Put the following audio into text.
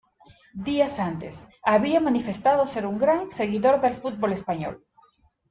Días antes, había manifestado ser gran seguidor del fútbol español.